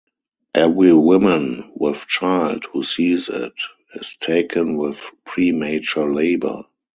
Every woman with child who sees it is taken with premature labor.